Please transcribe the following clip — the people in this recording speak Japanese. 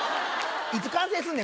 いつ完成すんねん？